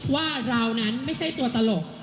ว่าเรานั้นไม่ใช่ตัวตลก